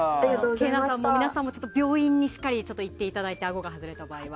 けいなさんも、皆さんも病院にしっかり行っていただいてあごが外れた場合は。